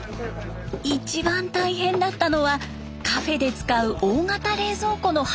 一番大変だったのはカフェで使う大型冷蔵庫の搬入。